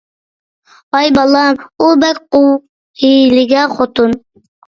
ۋاي بالام، ئۇ بەك قۇۋ، ھىيلىگەر خوتۇن.